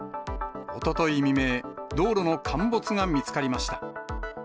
おととい未明、道路の陥没が見つかりました。